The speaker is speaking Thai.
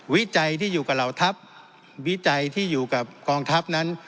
วิจัยที่อยู่กับเหล่าทัพวิจัยที่อยู่กับกองทัพนั้น